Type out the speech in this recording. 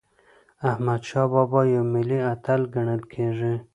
احمدشاه بابا یو ملي اتل ګڼل کېږي.